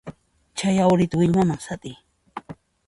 Chay yawrita willmaman sat'iy.